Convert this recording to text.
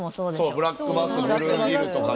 そうブラックバスブルーギルとかな。